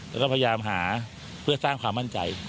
แล้วก็พยายามหาเพื่อสร้างความมั่นใจ